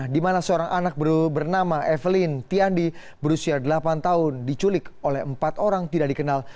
di mana seorang anak bernama evelyn tiandi berusia delapan tahun diculik oleh empat orang tidak dikenal